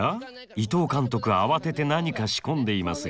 伊藤監督慌てて何か仕込んでいますが。